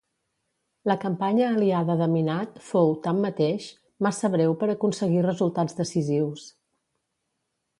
La campanya aliada de minat fou, tanmateix, massa breu per aconseguir resultats decisius.